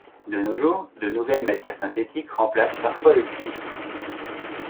De nos jours de nouvelles matières synthétiques remplacent parfois le cuir.